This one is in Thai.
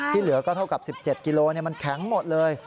เหลือก็เท่ากับ๑๗กิโลมันแข็งหมดเลย